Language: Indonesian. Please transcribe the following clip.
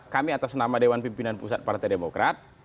kami atas nama dewan pimpinan pusat partai demokrat